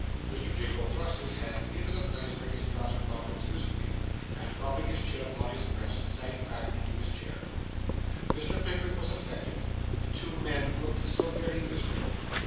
Mr. Jingle thrust his hands into the place where his trousers pockets used to be, and, dropping his chin upon his breast, sank back into his chair. Mr. Pickwick was affected; the two men looked so very miserable.